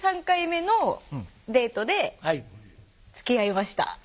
３回目のデートでつきあいました